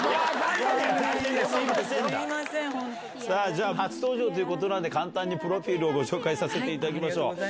さあ、じゃあ、初登場ということなんで、簡単にプロフィールをご紹介させていただきましょう。